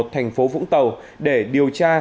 thành phố vũng tàu để điều tra